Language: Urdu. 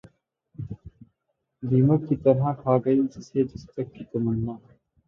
دیمک کی طرح کھا گئی جسے دستک کی تمنا